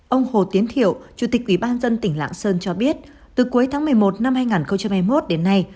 ông hồ tiến thiệu chủ tịch ubnd tỉnh lạng sơn cho biết từ cuối tháng một mươi một năm hai nghìn hai mươi một đến nay